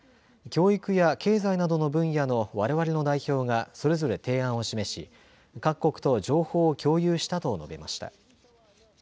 教育や経済などの分野のわれわれの代表がそれぞれ提案を示し、各国と情報を共有したと述べました。